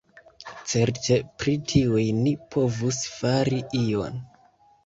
Certe pri tiuj ni povus fari ion.